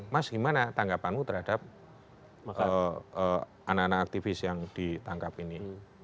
mas gimana tanggapanmu terhadap anak anak aktivis yang ditangkap ini